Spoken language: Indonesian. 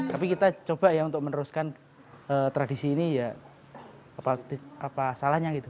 tapi kita coba ya untuk meneruskan tradisi ini ya apa salahnya gitu